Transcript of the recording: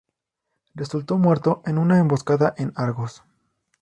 Resultó muerto en una emboscada en Argos.